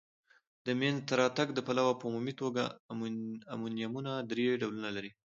د مینځ ته راتګ د پلوه په عمومي توګه امونیمونه درې ډولونه لري.